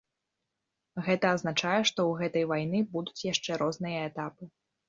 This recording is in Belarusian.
Гэта азначае, што ў гэтай вайны будуць яшчэ розныя этапы.